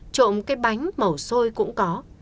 trộm cái bánh màu xôi cũng có